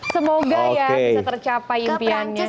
semoga ya bisa tercapai impiannya